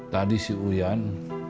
tadi si uyan